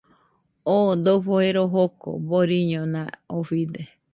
Oo dofo ero joko boriñona ofide.